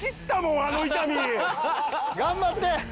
頑張って！